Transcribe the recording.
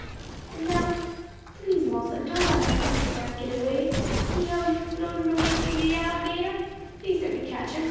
And now, please, mossa, don't let my countryman git away. See he floatin' away to de alligator. Please let me catch 'em.